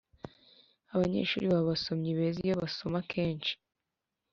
abanyeshuri baba abasomyi beza iyo basoma kenshi.